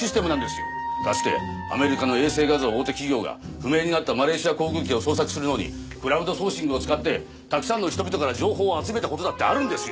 かつてアメリカの衛星画像大手企業が不明になったマレーシア航空機を捜索するのにクラウドソーシングを使ってたくさんの人々から情報を集めた事だってあるんですよ。